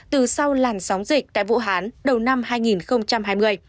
từ sau làn sóng dịch tại vũ hán đầu năm hai nghìn hai mươi